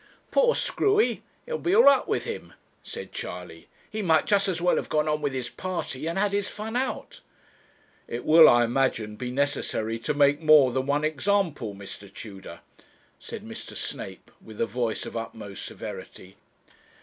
'Poor Screwy it will be all up with him,' said Charley. 'He might just as well have gone on with his party and had his fun out.' 'It will, I imagine, be necessary to make more than one example, Mr. Tudor,' said Mr. Snape, with a voice of utmost severity.